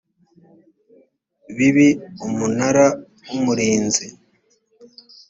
bibi umunara w umurinzi